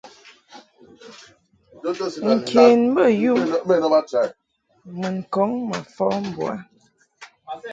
Nken bey um mun kɔŋ mfa mbo u a.